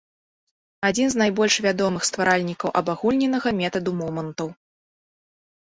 Адзін з найбольш вядомых стваральнікаў абагульненага метаду момантаў.